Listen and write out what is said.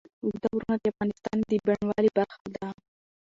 اوږده غرونه د افغانستان د بڼوالۍ برخه ده.